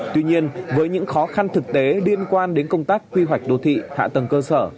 tuy nhiên với những khó khăn thực tế liên quan đến công tác quy hoạch đô thị hạ tầng cơ sở